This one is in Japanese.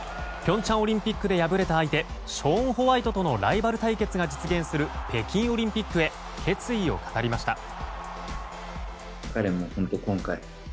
平昌オリンピックで敗れた相手ショーン・ホワイトとのライバル対決が実現する北京オリンピックへ決意を語りました。